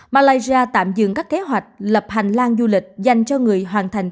malaysia tạm dừng các kế hoạch lập hành lang du lịch dành cho người hoàn thành